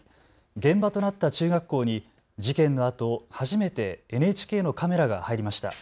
現場となった中学校に事件のあと初めてＮＨＫのカメラが入りました。